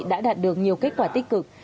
đã đạt được nhiều kết quả tích cực